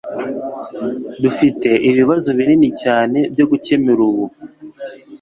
Dufite ibibazo binini cyane byo gukemura ubu